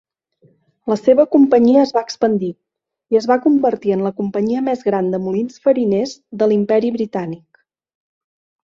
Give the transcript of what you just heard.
La seva companyia es va expandir i es va convertir en la companyia més gran de molins fariners de l'Imperi Britànic.